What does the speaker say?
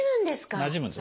なじむんです。